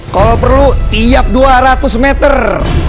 kalau perlu tiap dua ratus meter